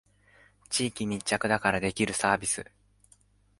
地元密着だからできるサービス